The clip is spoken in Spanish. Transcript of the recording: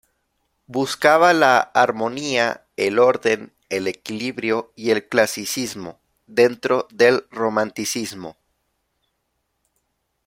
Buscaba la armonía, el orden, el equilibrio y el clasicismo dentro del romanticismo.